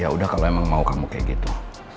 ya udah kalau emang mau kamu kayak gitu